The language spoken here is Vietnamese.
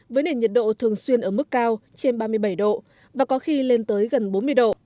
với nền nhiệt độ thường xuyên ở mức cao trên ba mươi bảy độ và có khi lên tới gần bốn mươi độ